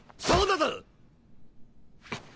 そうだぞ！